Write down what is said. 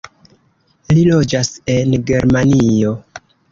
Li loĝas en Germanio.